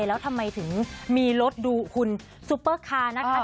แล้วทำไมถึงมีรถดูคุณซุปเปอร์คาร์นะคะ